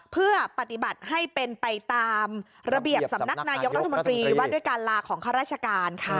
เพื่อปฏิบัติให้เป็นไปตามระเบียบสำนักนายกรัฐมนตรีว่าด้วยการลาของข้าราชการค่ะ